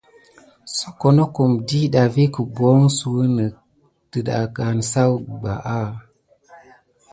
Soko nokum ɗiɗɑ vi guboho suyune net ɗiɗa alan nisaku bebaya.